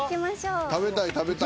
食べたい食べたい。